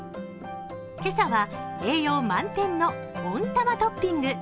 今朝は栄養満点の温玉トッピング。